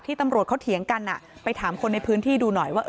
ตำรวจเขาเถียงกันไปถามคนในพื้นที่ดูหน่อยว่า